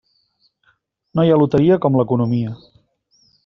No hi ha loteria com l'economia.